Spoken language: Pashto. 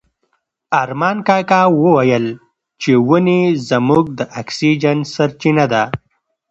ارمان کاکا وویل چې ونې زموږ د اکسیجن سرچینه ده.